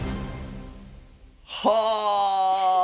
はあ！